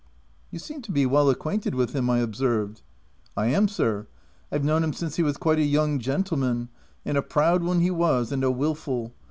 <e You seem to be well acquainted with him," I observed. H I am, sir ; I've known him since he was quite a young gentleman ; and a proud 'un he was, and a wilful.